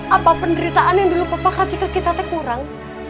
apa penderitaan yang dulu papa kasih ke kita kurang